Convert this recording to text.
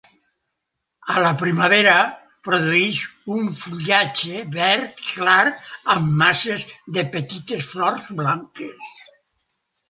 A la primavera, produeix un fullatge verd clar amb masses de petites flors blanques.